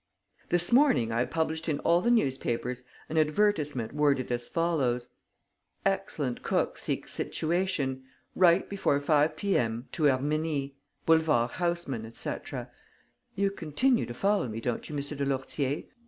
"This morning I published in all the newspapers an advertisement worded as follows: 'Excellent cook seeks situation. Write before 5 P.M. to Herminie, Boulevard Haussmann, etc.' You continue to follow me, don't you, M. de Lourtier?